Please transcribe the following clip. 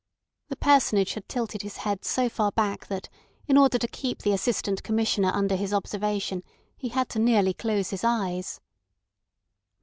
The Personage had tilted his head so far back that, in order to keep the Assistant Commissioner under his observation, he had to nearly close his eyes.